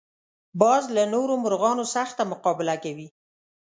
باز له نورو مرغانو سخته مقابله کوي